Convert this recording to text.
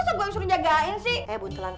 enggak mau menjaga in sih